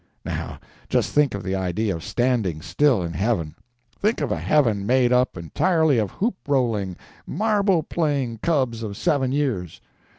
—Now just think of the idea of standing still in heaven! Think of a heaven made up entirely of hoop rolling, marble playing cubs of seven years!